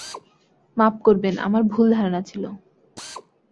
মাপ করবেন– আমার ভুল ধারণা ছিল।